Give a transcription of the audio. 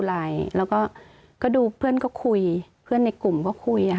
และดูเพื่อนก็คุยในกลุ่มก็คุย